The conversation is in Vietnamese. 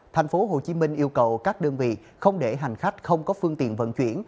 tp hcm yêu cầu các đơn vị không để hành khách không có phương tiện vận chuyển